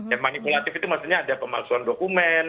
yang manipulatif itu maksudnya ada pemalsuan dokumen